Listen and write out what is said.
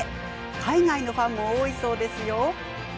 海外のファンも多いそうですよ。